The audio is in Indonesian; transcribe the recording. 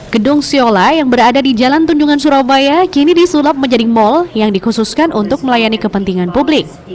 gedung siola yang berada di jalan tunjungan surabaya kini disulap menjadi mal yang dikhususkan untuk melayani kepentingan publik